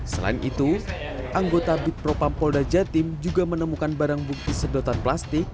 selain itu anggota bit propam polda jatim juga menemukan barang bukti sedotan plastik